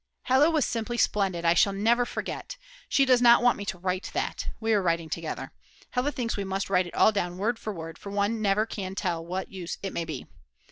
Hella was simply splendid, I shall never forget. She does not want me to write that; we are writing together. Hella thinks we must write it all down word for word, for one never can tell what use it may be.